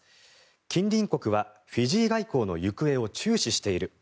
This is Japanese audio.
近隣国はフィジー外交の行方を注視している。